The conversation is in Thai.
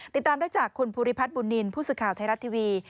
ติดตามได้จากคุณภูริพัฒน์บุญนินทร์ผู้สื่อข่าวไทยรัฐทีวี